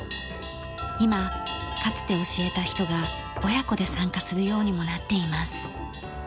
今かつて教えた人が親子で参加するようにもなっています。